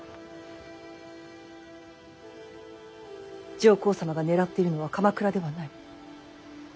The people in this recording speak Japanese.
上皇様が狙っているのは鎌倉ではない。